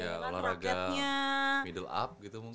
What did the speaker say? ya olahraga middle up gitu